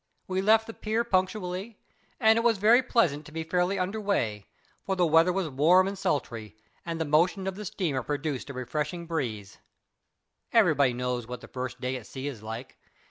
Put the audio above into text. We left the pier punctually, and it was very pleasant to be fairly under way, for the weather was warm and sultry, and the motion of the steamer produced a refreshing breeze. Everybody knows what the first day at sea is like.